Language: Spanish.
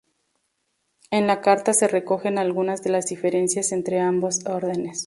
En la carta se recogen algunas de las diferencias entre ambas órdenes.